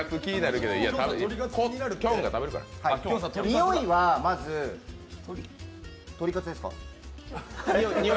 においはまずとりカツですか？